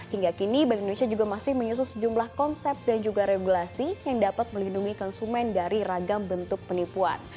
hingga kini bank indonesia juga masih menyusun sejumlah konsep dan juga regulasi yang dapat melindungi konsumen dari ragam bentuk penipuan